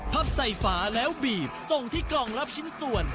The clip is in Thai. พับใส่ฝาแล้วบีบส่งที่กล่องรับชิ้นส่วน